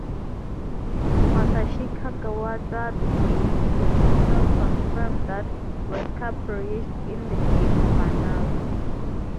Masachika Kawata, the game's producer, confirmed that Wesker perished in the game's finale.